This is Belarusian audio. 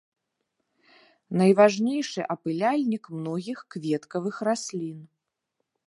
Найважнейшы апыляльнік многіх кветкавых раслін.